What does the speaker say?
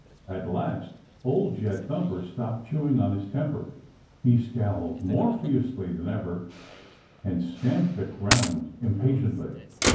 At last Old Jed Thumper stopped chewing on his temper. He scowled more fiercely than ever and stamped the ground impatiently.